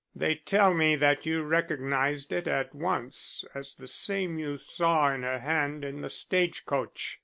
They tell me that you recognized it at once as the same you saw in her hand in the stage coach.